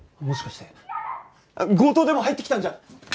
もしかして強盗でも入ってきたんじゃ？